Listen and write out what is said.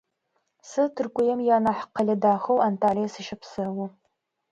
Сэ Тыркуем ианахь къэлэ дахэу Анталие сыщэпсэу.